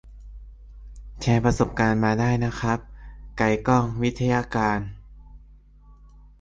แชร์ประสบการณ์มาได้นะครับ ไกลก้อง ไวทยการ